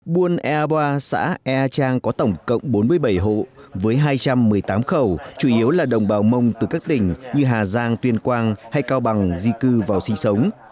buôn ea boa xã ea trang có tổng cộng bốn mươi bảy hộ với hai trăm một mươi tám khẩu chủ yếu là đồng bào mông từ các tỉnh như hà giang tuyên quang hay cao bằng di cư vào sinh sống